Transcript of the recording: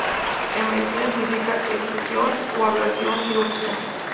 En medicina significa 'escisión' o 'ablación quirúrgica'.